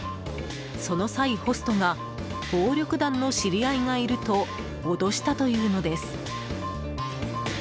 その際、ホストが暴力団の知り合いがいると脅したというのです。